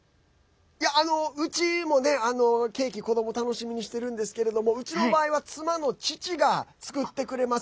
うちもね、ケーキ、子ども楽しみにしてるんですけれどもうちの場合は妻の父が作ってくれます。